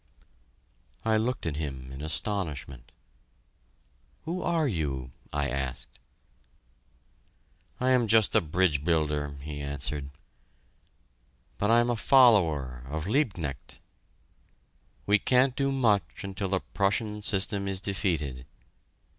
I looked at him in astonishment. "Who are you?" I asked. "I am just a bridge builder," he answered, "but I'm a follower of Liebknecht... We can't do much until the Prussian system is defeated.